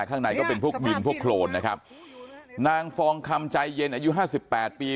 ข้างในก็เป็นพวกดินพวกโครนนะครับนางฟองคำใจเย็นอายุห้าสิบแปดปี